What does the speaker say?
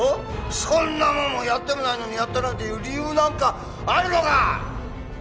そんなもんをやってもないのにやったなんて言う理由なんかあるのか！？